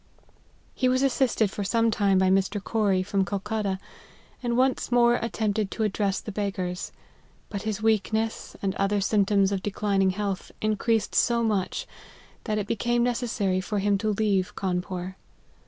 He was assisted for some time by Mr. Corrie, from Calcutta, and once more attempted to address the beggars ; but his weakness, and other symp toms of declining health, increased so much, that it became necessary for him to leave Cawnpore.